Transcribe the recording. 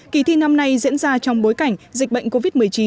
kỳ thi năm nay diễn ra trong bối cảnh dịch bệnh covid một mươi chín